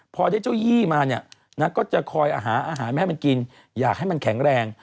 พอได้เจ้ายี่มาเนี่ยนะก็จะคอยอาหารมาให้มันกินอยากให้มันแข็งแรง